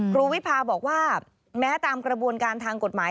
วิพาบอกว่าแม้ตามกระบวนการทางกฎหมาย